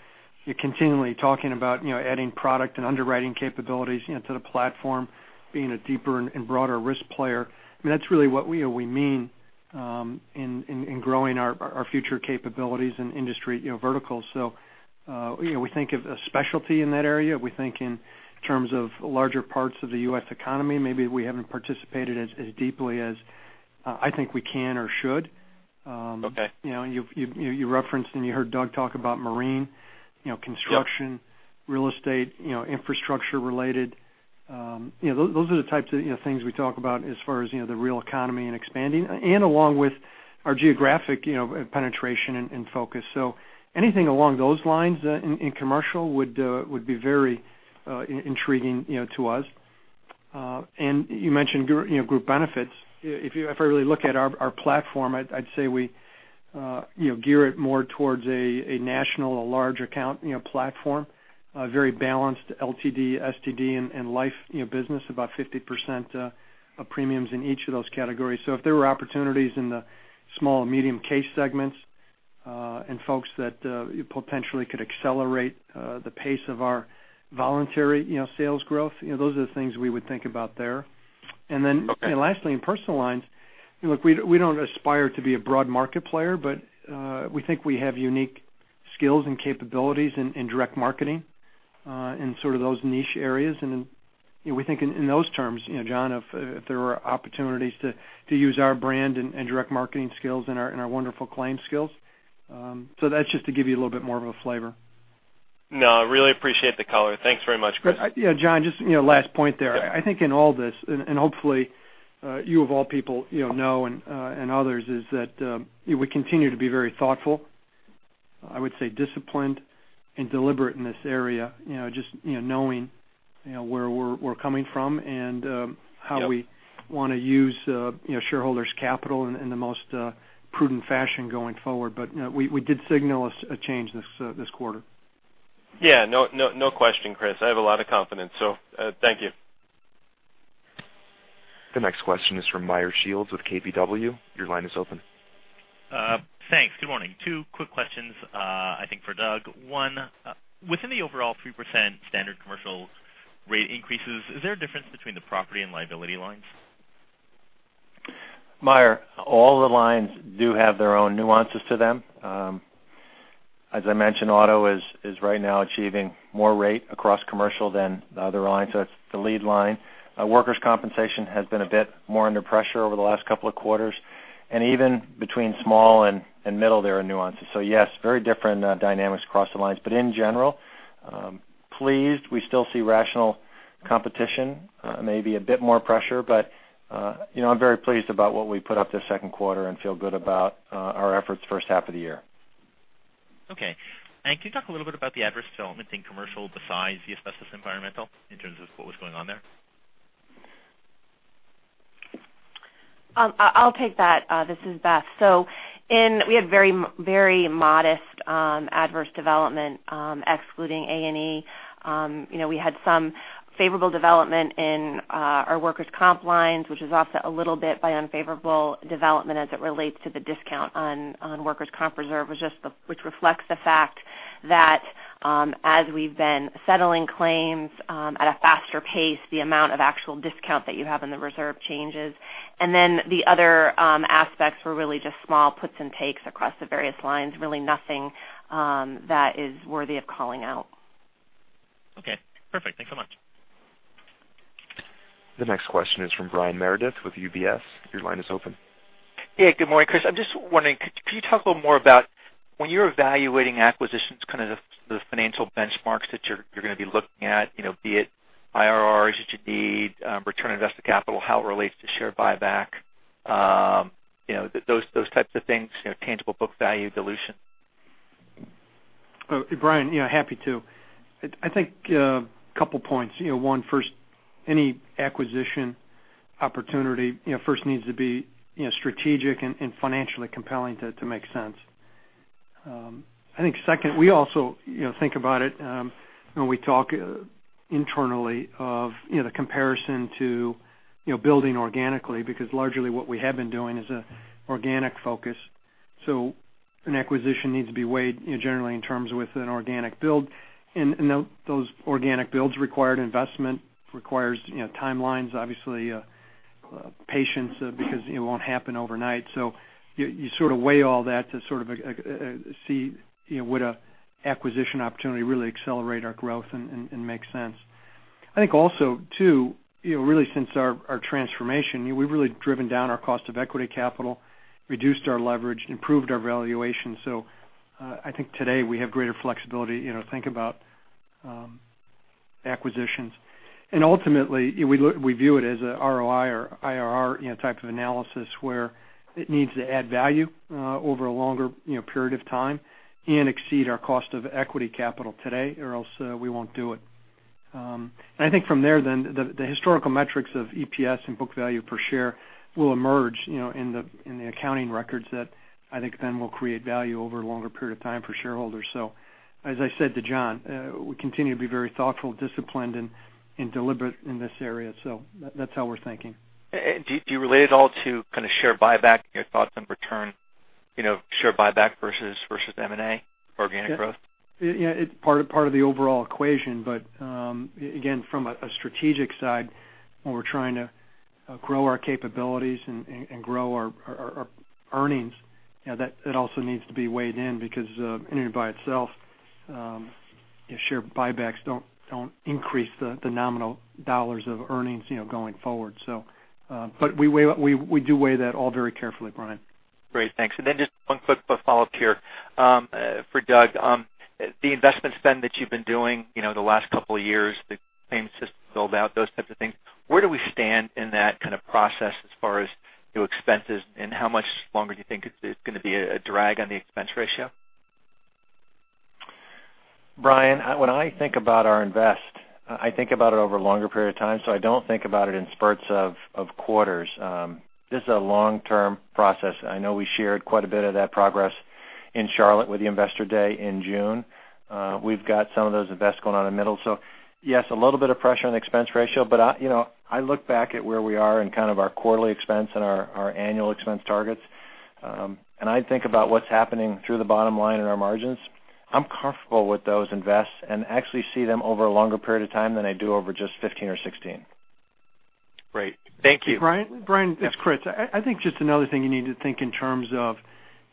continually talking about adding product and underwriting capabilities to the platform, being a deeper and broader risk player. That's really what we mean in growing our future capabilities in industry verticals. We think of a specialty in that area. We think in terms of larger parts of the U.S. economy, maybe we haven't participated as deeply as I think we can or should. Okay. You referenced and you heard Doug talk about marine, construction, real estate, infrastructure related. Those are the types of things we talk about as far as the real economy and expanding, along with our geographic penetration and focus. Anything along those lines in Commercial would be very intriguing to us. You mentioned Group Benefits. If I really look at our platform, I'd say we gear it more towards a national, a large account platform, a very balanced LTD, STD, and life business, about 50% of premiums in each of those categories. If there were opportunities in the small and medium case segments, and folks that potentially could accelerate the pace of our voluntary sales growth, those are the things we would think about there. Okay. Lastly, in Personal Lines, look, we don't aspire to be a broad market player, but we think we have unique skills and capabilities in direct marketing in sort of those niche areas. We think in those terms, John, if there are opportunities to use our brand and direct marketing skills and our wonderful claim skills. That's just to give you a little bit more of a flavor. No, I really appreciate the color. Thanks very much, Chris. Yeah, John, just last point there. Yeah. I think in all this, and hopefully you of all people know and others, is that we continue to be very thoughtful, I would say disciplined and deliberate in this area, just knowing where we're coming from and how we want to use shareholders' capital in the most prudent fashion going forward. We did signal a change this quarter. Yeah. No question, Chris. I have a lot of confidence. Thank you. The next question is from Meyer Shields with KBW. Your line is open. Thanks. Good morning. Two quick questions, I think for Doug. One, within the overall 3% Standard Commercial rate increases, is there a difference between the property and liability lines? Meyer, all the lines do have their own nuances to them. As I mentioned, auto is right now achieving more rate across Commercial than the other lines. It is the lead line. Workers' compensation has been a bit more under pressure over the last couple of quarters, and even between small and middle, there are nuances. Yes, very different dynamics across the lines. In general, pleased. We still see rational competition, maybe a bit more pressure, I am very pleased about what we put up this second quarter and feel good about our efforts first half of the year. Okay. Could you talk a little bit about the adverse development in Commercial besides the asbestos environmental, in terms of what was going on there? I will take that. This is Beth. We had very modest adverse development, excluding A&E. We had some favorable development in our workers' comp lines, which is offset a little bit by unfavorable development as it relates to the discount on workers' comp reserve, which reflects the fact that as we have been settling claims at a faster pace, the amount of actual discount that you have in the reserve changes. The other aspects were really just small puts and takes across the various lines, really nothing that is worthy of calling out. Okay, perfect. Thanks so much. The next question is from Brian Meredith with UBS. Your line is open. Yeah. Good morning, Chris. I'm just wondering, could you talk a little more about when you're evaluating acquisitions, kind of the financial benchmarks that you're going to be looking at, be it IRRs that you need, return on invested capital, how it relates to share buyback, those types of things, tangible book value dilution? Brian, happy to. I think a couple points. One, first, any acquisition opportunity first needs to be strategic and financially compelling to make sense. I think second, we also think about it when we talk internally of the comparison to building organically, because largely what we have been doing is an organic focus. An acquisition needs to be weighed generally in terms with an organic build. Those organic builds require investment, requires timelines, obviously patience, because it won't happen overnight. You sort of weigh all that to sort of see would an acquisition opportunity really accelerate our growth and make sense. I think also too, really since our transformation, we've really driven down our cost of equity capital, reduced our leverage, improved our valuation. I think today we have greater flexibility to think about acquisitions. Ultimately, we view it as a ROI or IRR type of analysis, where it needs to add value over a longer period of time and exceed our cost of equity capital today or else we won't do it. I think from there, then, the historical metrics of EPS and book value per share will emerge in the accounting records that I think then will create value over a longer period of time for shareholders. As I said to John, we continue to be very thoughtful, disciplined, and deliberate in this area. That's how we're thinking. Do you relate at all to kind of share buyback, your thoughts on return, share buyback versus M&A, organic growth? Yeah. It's part of the overall equation, again, from a strategic side, when we're trying to grow our capabilities and grow our earnings, that also needs to be weighed in because in and by itself, share buybacks don't increase the nominal dollars of earnings going forward. We do weigh that all very carefully, Brian. Great. Thanks. Then just one quick follow-up here for Doug. The investment spend that you've been doing the last couple of years, the claims system build out, those types of things, where do we stand in that kind of process as far as new expenses and how much longer do you think it's going to be a drag on the expense ratio? Brian, when I think about our invest, I think about it over a longer period of time, so I don't think about it in spurts of quarters. This is a long-term process. I know we shared quite a bit of that progress in Charlotte with the investor day in June. We've got some of those invests going on in middle. Yes, a little bit of pressure on the expense ratio, but I look back at where we are in kind of our quarterly expense and our annual expense targets. I think about what's happening through the bottom line in our margins. I'm comfortable with those invests and actually see them over a longer period of time than I do over just 2015 or 2016. Great. Thank you. Brian, it's Chris. I think just another thing you need to think in terms of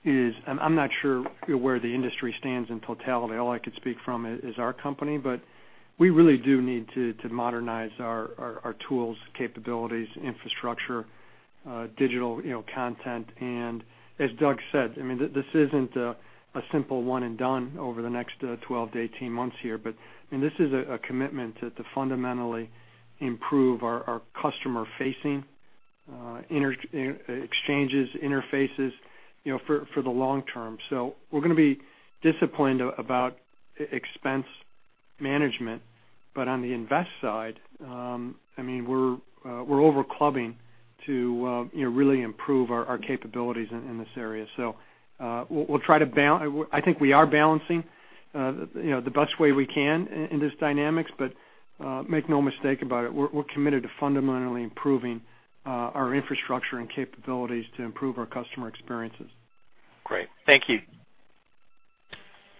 is, I'm not sure where the industry stands in totality. All I could speak from is our company, but we really do need to modernize our tools, capabilities, infrastructure, digital content. As Doug said, this isn't a simple one and done over the next 12 to 18 months here. This is a commitment to fundamentally improve our customer facing Exchanges, interfaces for the long term. We're going to be disciplined about expense management, on the invest side, we're over-indexing to really improve our capabilities in this area. I think we are balancing the best way we can in this dynamic, make no mistake about it, we're committed to fundamentally improving our infrastructure and capabilities to improve our customer experiences. Great. Thank you.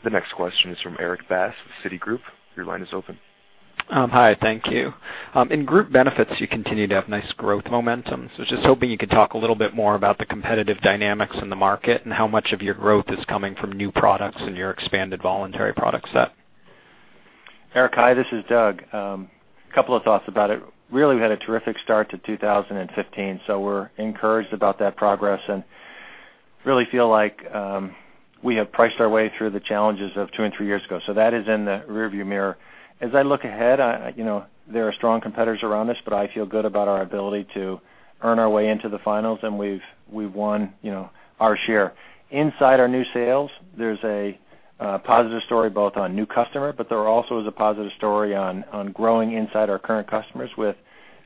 The next question is from Erik Bass with Citigroup. Your line is open. Hi, thank you. In Group Benefits, you continue to have nice growth momentum. I was just hoping you could talk a little bit more about the competitive dynamics in the market, and how much of your growth is coming from new products in your expanded voluntary product set. Erik, hi, this is Doug. Couple of thoughts about it. Really, we had a terrific start to 2015, so we're encouraged about that progress and really feel like we have priced our way through the challenges of two and three years ago. That is in the rearview mirror. As I look ahead, there are strong competitors around us, but I feel good about our ability to earn our way into the finals, and we've won our share. Inside our new sales, there's a positive story both on new customer, but there also is a positive story on growing inside our current customers with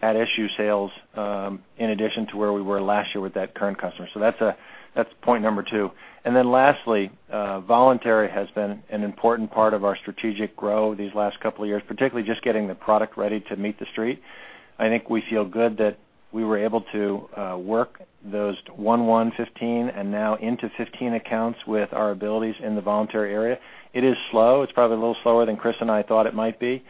at-issue sales, in addition to where we were last year with that current customer. That's point number 2. Lastly, voluntary has been an important part of our strategic grow these last couple of years, particularly just getting the product ready to meet the street. I think we feel good that we were able to work those 1/1/2015 and now into 2015 accounts with our abilities in the voluntary area. It is slow. It's probably a little slower than Chris and I thought it might be.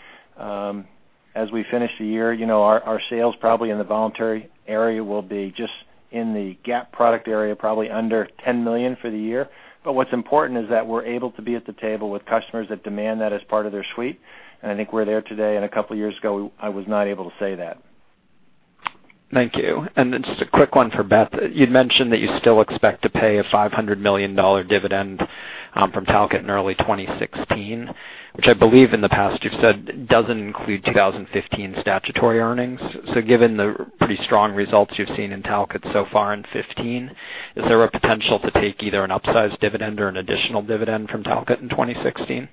As we finish the year, our sales probably in the voluntary area will be just in the gap product area, probably under $10 million for the year. What's important is that we're able to be at the table with customers that demand that as part of their suite, and I think we're there today, and a couple of years ago, I was not able to say that. Thank you. Just a quick one for Beth. You'd mentioned that you still expect to pay a $500 million dividend from Talcott in early 2016, which I believe in the past you've said doesn't include 2015 statutory earnings. Given the pretty strong results you've seen in Talcott so far in 2015, is there a potential to take either an upsized dividend or an additional dividend from Talcott in 2016?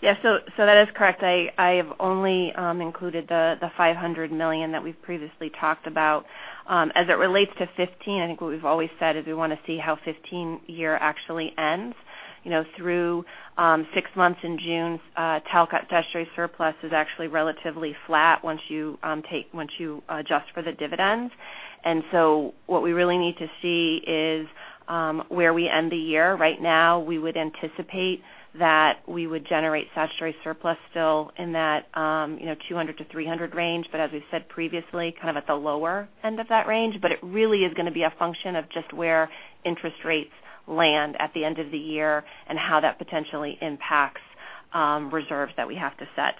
Yes, that is correct. I have only included the $500 million that we've previously talked about. As it relates to 2015, I think what we've always said is we want to see how 2015 year actually ends. Through six months in June, Talcott statutory surplus is actually relatively flat once you adjust for the dividends. What we really need to see is where we end the year. Right now, we would anticipate that we would generate statutory surplus still in that $200 million-$300 million range, but as we said previously, kind of at the lower end of that range. It really is going to be a function of just where interest rates land at the end of the year, and how that potentially impacts reserves that we have to set.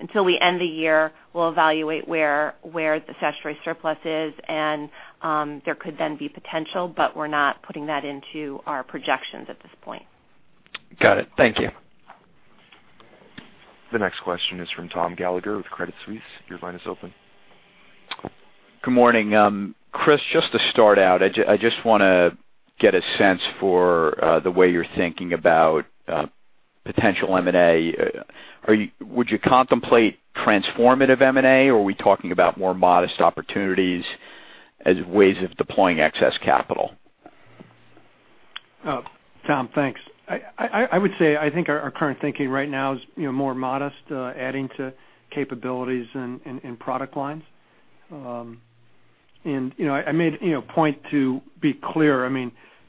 Until we end the year, we'll evaluate where the statutory surplus is, and there could then be potential, but we're not putting that into our projections at this point. Got it. Thank you. The next question is from Tom Gallagher with Credit Suisse. Your line is open. Good morning. Chris, just to start out, I just want to get a sense for the way you're thinking about potential M&A. Would you contemplate transformative M&A, or are we talking about more modest opportunities as ways of deploying excess capital? Tom, thanks. I would say, I think our current thinking right now is more modest, adding to capabilities and product lines. I made a point to be clear.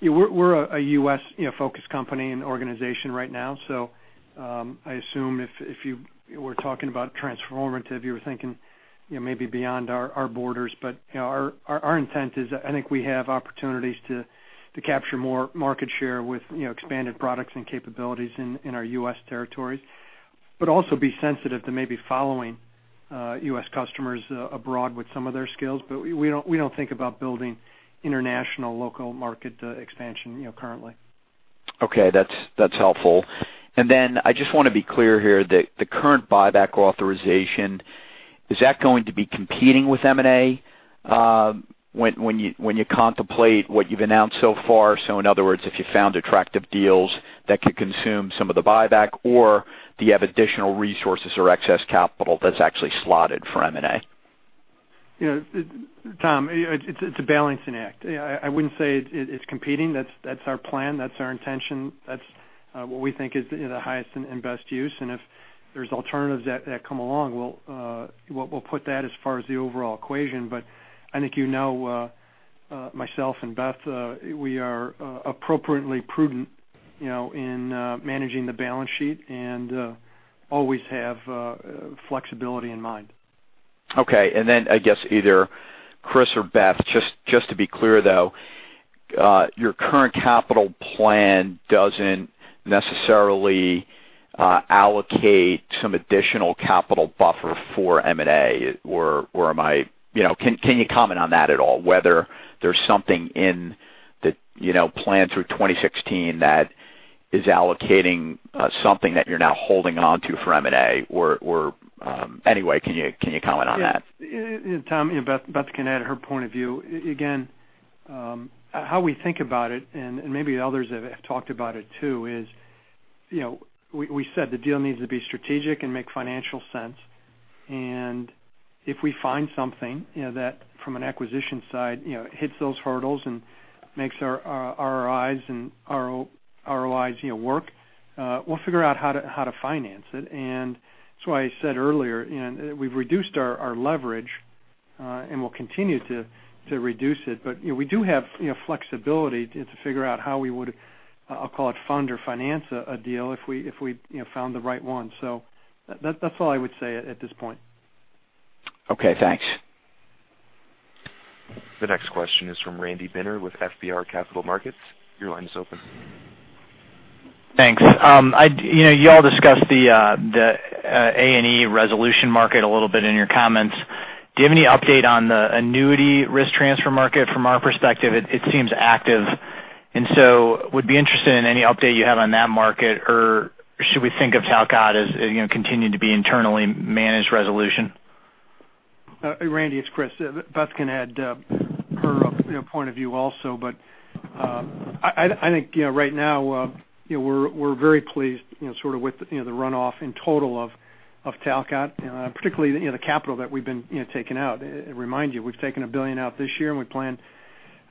We're a U.S.-focused company and organization right now, so I assume if you were talking about transformative, you were thinking maybe beyond our borders. Our intent is, I think we have opportunities to capture more market share with expanded products and capabilities in our U.S. territories, but also be sensitive to maybe following U.S. customers abroad with some of their skills. We don't think about building international local market expansion currently. Okay. That's helpful. I just want to be clear here that the current buyback authorization, is that going to be competing with M&A when you contemplate what you've announced so far? In other words, if you found attractive deals that could consume some of the buyback, or do you have additional resources or excess capital that's actually slotted for M&A? Tom, it's a balancing act. I wouldn't say it's competing. That's our plan, that's our intention. That's what we think is the highest and best use, and if there's alternatives that come along, we'll put that as far as the overall equation. I think you know, myself and Beth, we are appropriately prudent in managing the balance sheet and always have flexibility in mind. Okay. I guess either Chris or Beth, just to be clear, though, your current capital plan doesn't necessarily allocate some additional capital buffer for M&A or can you comment on that at all, whether there's something in the plan through 2016 that is allocating something that you're now holding onto for M&A or anyway, can you comment on that? Tom, Beth can add her point of view. How we think about it, and maybe others have talked about it too, is we said the deal needs to be strategic and make financial sense. If we find something that from an acquisition side, hits those hurdles and makes our ROIs work, we'll figure out how to finance it. That's why I said earlier, we've reduced our leverage, and we'll continue to reduce it. We do have flexibility to figure out how we would, I'll call it fund or finance a deal if we found the right one. That's all I would say at this point. Okay, thanks. The next question is from Randy Binner with FBR Capital Markets. Your line is open. Thanks. You all discussed the A&E resolution market a little bit in your comments. Do you have any update on the annuity risk transfer market? From our perspective, it seems active, and so would be interested in any update you have on that market or should we think of Talcott as continuing to be internally managed resolution? Randy, it's Chris. Beth can add her point of view also, but I think right now we're very pleased sort of with the runoff in total of Talcott, particularly the capital that we've been taking out. Remind you, we've taken $1 billion out this year, and we plan,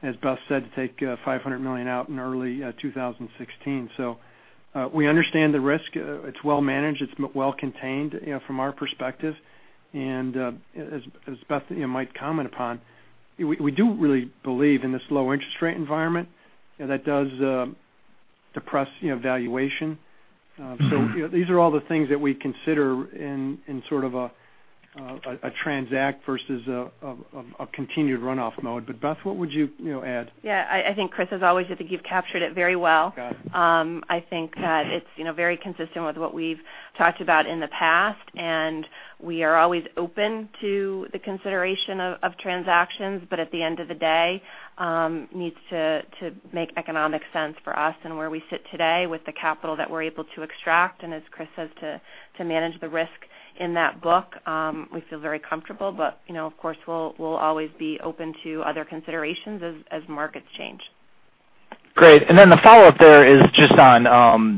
as Beth said, to take $500 million out in early 2016. We understand the risk. It's well managed. It's well contained from our perspective. As Beth might comment upon, we do really believe in this low interest rate environment that does depress valuation. These are all the things that we consider in sort of a transact versus a continued runoff mode. Beth, what would you add? Yeah, I think Chris, as always, I think you've captured it very well. Got it. I think that it's very consistent with what we've talked about in the past, we are always open to the consideration of transactions, at the end of the day, needs to make economic sense for us and where we sit today with the capital that we're able to extract. As Chris says, to manage the risk in that book, we feel very comfortable. Of course, we'll always be open to other considerations as markets change. Great. The follow-up there is just on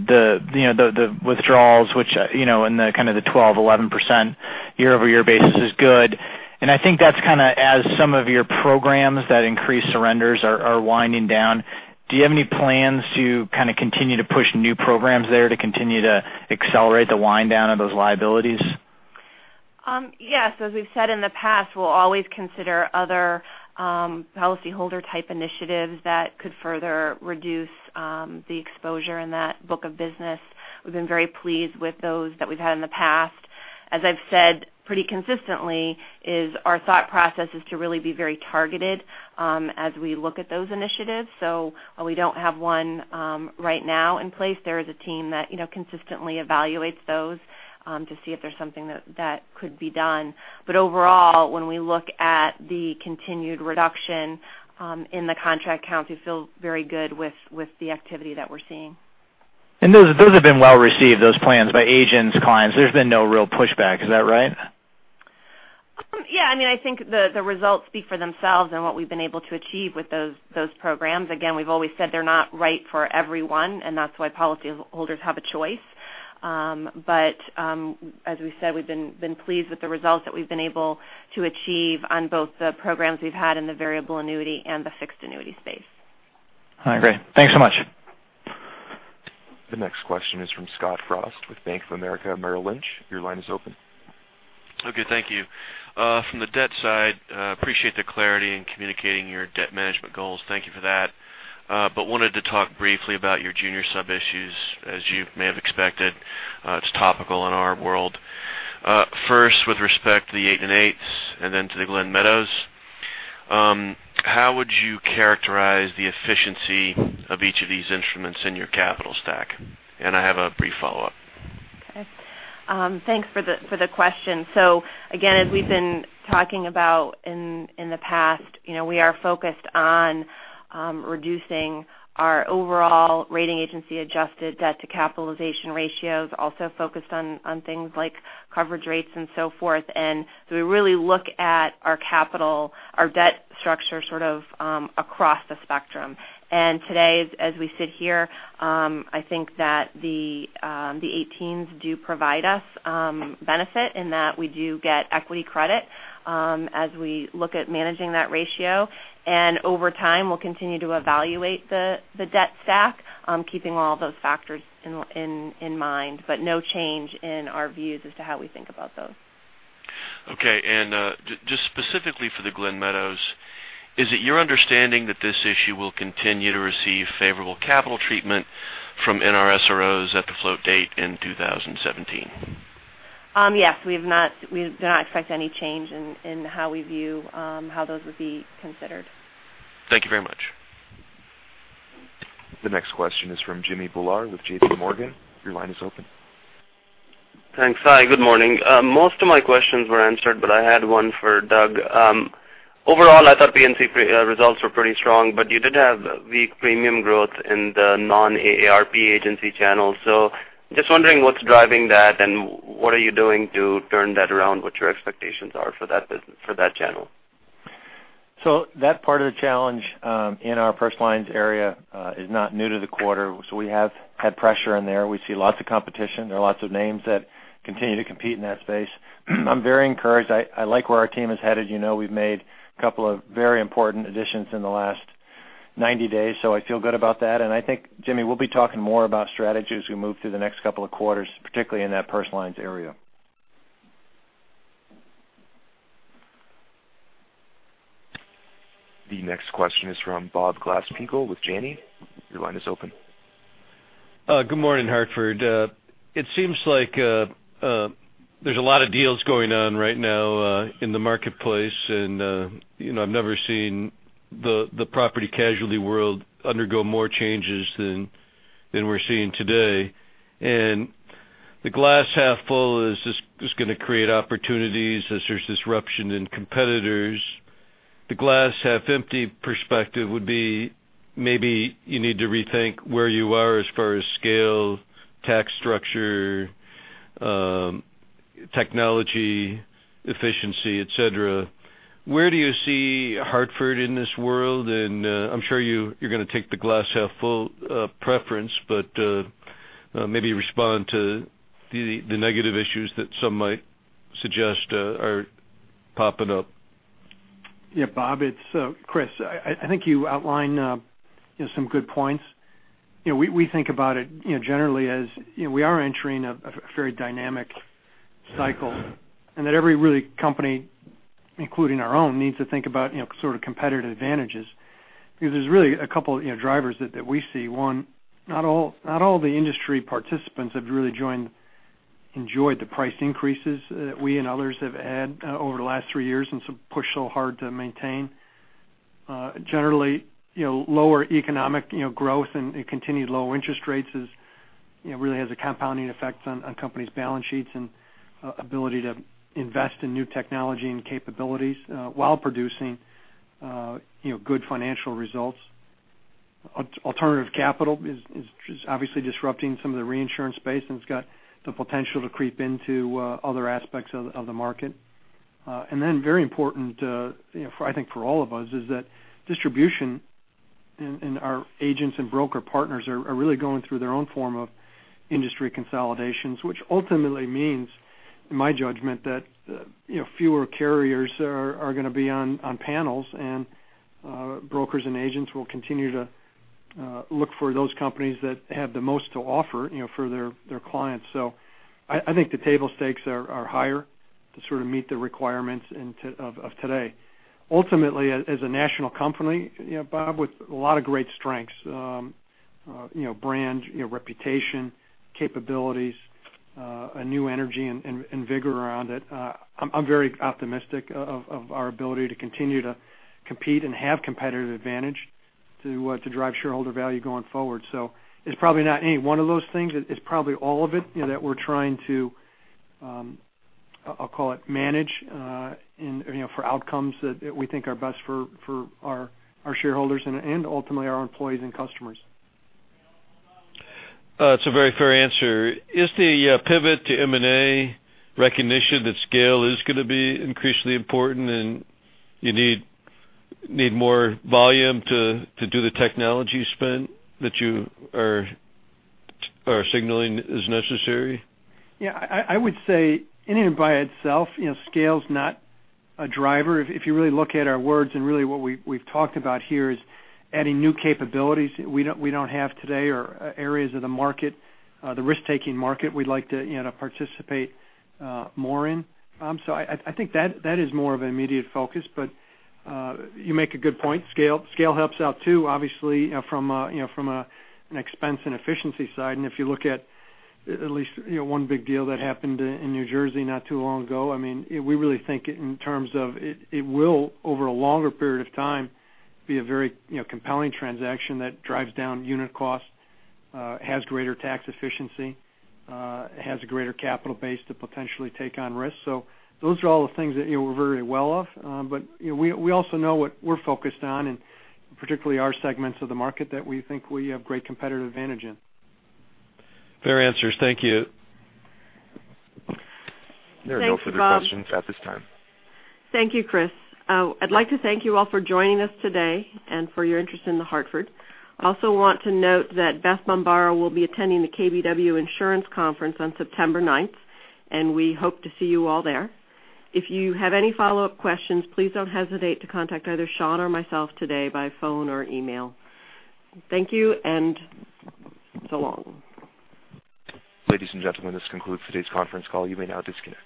the withdrawals, which in the kind of the 12%, 11% year-over-year basis is good. I think that's kind of as some of your programs that increase surrenders are winding down. Do you have any plans to kind of continue to push new programs there to continue to accelerate the wind down of those liabilities? Yes. As we've said in the past, we'll always consider other policyholder-type initiatives that could further reduce the exposure in that book of business. We've been very pleased with those that we've had in the past. As I've said, pretty consistently is our thought process is to really be very targeted as we look at those initiatives. While we don't have one right now in place, there is a team that consistently evaluates those to see if there's something that could be done. Overall, when we look at the continued reduction in the contract count, we feel very good with the activity that we're seeing. Those have been well received, those plans by agents, clients. There's been no real pushback. Is that right? Yeah. I think the results speak for themselves and what we've been able to achieve with those programs. We've always said they're not right for everyone, and that's why policyholders have a choice. As we said, we've been pleased with the results that we've been able to achieve on both the programs we've had in the variable annuity and the fixed annuity space. All right, great. Thanks so much. The next question is from Scott Frost with Bank of America Merrill Lynch. Your line is open. Okay, thank you. From the debt side, appreciate the clarity in communicating your debt management goals. Thank you for that. I wanted to talk briefly about your junior sub issues, as you may have expected. It's topical in our world. First, with respect to the eight and eights and then to the Glen Meadow. How would you characterize the efficiency of each of these instruments in your capital stack? I have a brief follow-up. Okay. Thanks for the question. Again, as we've been talking about in the past, we are focused on reducing our overall rating agency adjusted debt to capitalization ratios, also focused on things like coverage rates and so forth. We really look at our capital, our debt structure sort of across the spectrum. Today, as we sit here, I think that the eight and eights do provide us benefit in that we do get equity credit as we look at managing that ratio. Over time, we'll continue to evaluate the debt stack, keeping all those factors in mind, but no change in our views as to how we think about those. Okay. Just specifically for the Glen Meadow, is it your understanding that this issue will continue to receive favorable capital treatment from NRSROs at the float date in 2017? Yes. We do not expect any change in how we view how those would be considered. Thank you very much. The next question is from Jimmy Bhullar with J.P. Morgan. Your line is open. Thanks. Hi, good morning. Most of my questions were answered, but I had one for Doug. Overall, I thought P&C results were pretty strong, but you did have weak premium growth in the non-AARP Agency channel. Just wondering what's driving that and what are you doing to turn that around, what your expectations are for that business, for that channel? That part of the challenge in our Personal Lines area is not new to the quarter. We have had pressure in there. We see lots of competition. There are lots of names that continue to compete in that space. I'm very encouraged. I like where our team is headed. We've made a couple of very important additions in the last 90 days, so I feel good about that. I think, Jimmy, we'll be talking more about strategy as we move through the next couple of quarters, particularly in that Personal Lines area. The next question is from Bob Glasspiegel with Janney. Your line is open. Good morning, Hartford. It seems like there's a lot of deals going on right now in the marketplace, I've never seen the Property and Casualty world undergo more changes than we're seeing today. The glass half full is just going to create opportunities as there's disruption in competitors. The glass half empty perspective would be maybe you need to rethink where you are as far as scale, tax structure, technology, efficiency, et cetera. Where do you see Hartford in this world? I'm sure you're going to take the glass half full preference, but maybe respond to the negative issues that some might suggest are popping up. Bob, it's Chris. I think you outline some good points. We think about it, generally as we are entering a very dynamic cycle, and that every company, including our own, needs to think about competitive advantages because there's really a couple drivers that we see. One, not all the industry participants have really enjoyed the price increases that we and others have had over the last 3 years and pushed so hard to maintain. Generally, lower economic growth and continued low interest rates really has a compounding effect on companies' balance sheets and ability to invest in new technology and capabilities while producing good financial results. Alternative capital is obviously disrupting some of the reinsurance space, and it's got the potential to creep into other aspects of the market. Very important I think for all of us is that distribution and our agents and broker partners are really going through their own form of industry consolidations, which ultimately means, in my judgment, that fewer carriers are going to be on panels, and brokers and agents will continue to look for those companies that have the most to offer for their clients. I think the table stakes are higher to meet the requirements of today. Ultimately, as a national company, Bob, with a lot of great strengths, brand, reputation, capabilities, a new energy and vigor around it, I'm very optimistic of our ability to continue to compete and have competitive advantage to drive shareholder value going forward. It's probably not any one of those things. It's probably all of it that we're trying to, I'll call it manage for outcomes that we think are best for our shareholders and ultimately our employees and customers. It's a very fair answer. Is the pivot to M&A recognition that scale is going to be increasingly important and you need more volume to do the technology spend that you are signaling is necessary? Yeah. I would say in and by itself, scale's not a driver. If you really look at our words and really what we've talked about here is adding new capabilities we don't have today or areas of the market, the risk-taking market we'd like to participate more in. I think that is more of an immediate focus. You make a good point. Scale helps out too, obviously, from an expense and efficiency side. If you look at at least one big deal that happened in New Jersey not too long ago, we really think in terms of it will, over a longer period of time, be a very compelling transaction that drives down unit cost, has greater tax efficiency, has a greater capital base to potentially take on risk. Those are all the things that we're very aware of. We also know what we're focused on, and particularly our segments of the market that we think we have great competitive advantage in. Fair answers. Thank you. There are no further questions at this time. Thanks, Bob. Thank you, Chris. I'd like to thank you all for joining us today and for your interest in The Hartford. I also want to note that Beth Bombara will be attending the KBW Insurance Conference on September 9th, and we hope to see you all there. If you have any follow-up questions, please don't hesitate to contact either Sean or myself today by phone or email. Thank you. So long. Ladies and gentlemen, this concludes today's conference call. You may now disconnect.